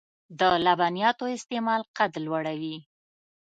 د لبنیاتو استعمال قد لوړوي .